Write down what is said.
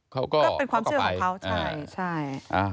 ก็เป็นความเชื่อของเขาใช่